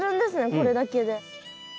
これだけで。